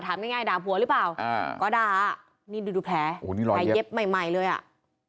ถามง่ายด่าผัวหรือเปล่าก็ด่านี่ดูแพ้ไอเย็บใหม่เลยอ่ะ